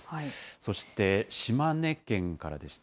そして島根県からでした。